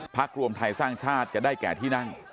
รวมไทยสร้างชาติจะได้แก่ที่นั่ง